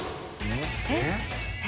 えっ？